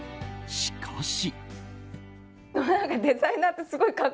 しかし。